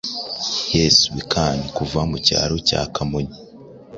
Yes We can kuva mu cyaro cya Kamonyi